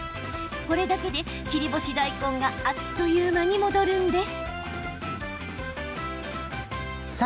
これだけで切り干し大根があっという間に戻るんです。